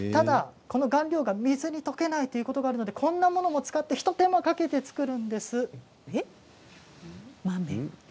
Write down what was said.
この顔料が水に溶けないということがあるのでこんなものを使って一手間かけて作るんです。